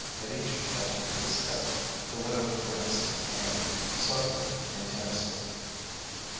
At each attempted step, the widow winced with pain, suffering intensely.